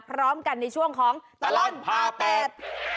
พร้อมกันในช่วงของตลอดพาเป็ด